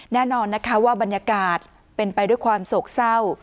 แน่นอนนะคะว่าบรรยากาศเป็นไปด้วยความโศกเศร้า